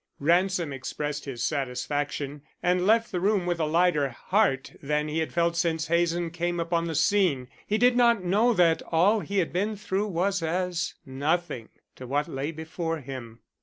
Ransom expressed his satisfaction, and left the room with a lighter heart than he had felt since Hazen came upon the scene. He did not know that all he had been through was as nothing to what lay before him.